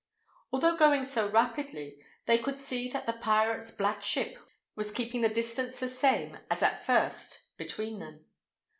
Although going so rapidly, they could see that the pirate's black ship was keeping the distance the same as at first between them.